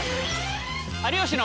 「有吉の」。